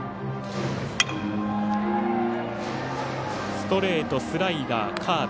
ストレート、スライダー、カーブ